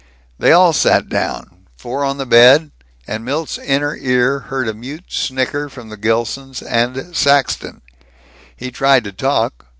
They all sat down, four on the bed; and Milt's inner ear heard a mute snicker from the Gilsons and Saxton. He tried to talk.